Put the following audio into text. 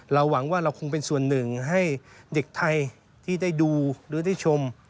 หวังว่าเราคงเป็นส่วนหนึ่งให้เด็กไทยที่ได้ดูหรือได้ชม